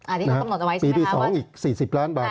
อันนี้เขาคำหนดเอาไว้ใช่ไหมครับว่าปีที่๒อีก๔๐ล้านบาท